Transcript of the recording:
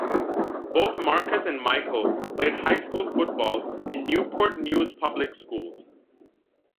Both Marcus and Michael played high school football in Newport News Public Schools.